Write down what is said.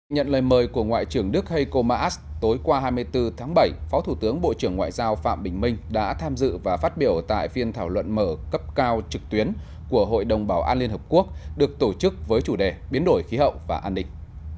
nhận lời mời của ngoại trưởng đức heiko maas tối qua hai mươi bốn tháng bảy phó thủ tướng bộ trưởng ngoại giao phạm bình minh đã tham dự và phát biểu tại phiên thảo luận mở cấp cao trực tuyến của hội đồng bảo an liên hợp quốc được tổ chức với chủ đề biến đổi khí hậu và an ninh